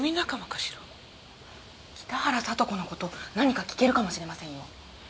北原さと子の事何か聞けるかもしれませんよ。